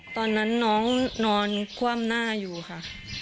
ตอนนั้นน้องนอนคว่ำหน้าอยู่ค่ะ